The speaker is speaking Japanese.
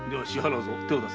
手を出せ。